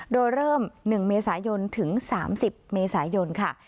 โดยเริ่ม๑เมษายนถึง๓๐เมษายนค่ะ